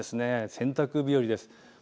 洗濯日和です。